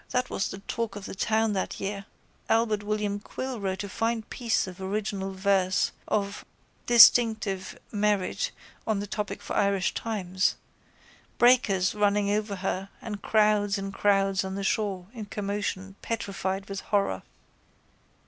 That was the talk of the town that year (Albert William Quill wrote a fine piece of original verse of distinctive merit on the topic for the Irish Times), breakers running over her and crowds and crowds on the shore in commotion petrified with horror.